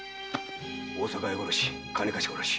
大阪屋殺し金貸し殺し。